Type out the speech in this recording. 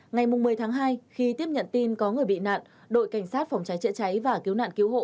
ngày một mươi tháng hai khi tiếp nhận tin có người bị nạn đội cảnh sát phòng cháy chữa cháy và cứu nạn cứu hộ